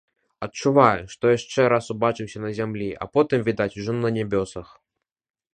Адчуваю, што яшчэ раз убачымся на зямлі, а потым, відаць, ужо на нябёсах.